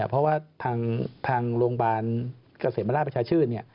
เพราะว่าทางโรงพยาบาลเกษมราชประชาชื่น